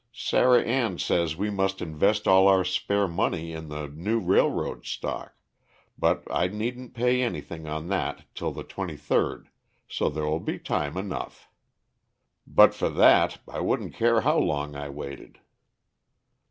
Sarah Ann says we must invest all our spare money in the new railroad stock; but I needn't pay anything on that till the twenty third, so there will be time enough. But for that I wouldn't care how long I waited."